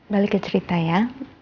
balik ke cerita ya